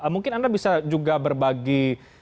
mungkin anda bisa juga berbagi